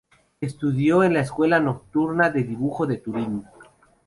Estudió en la escuela nocturna de dibujo de Turín.